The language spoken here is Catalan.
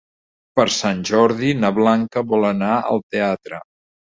Per Sant Jordi na Blanca vol anar al teatre.